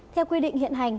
theo quy định hiện hành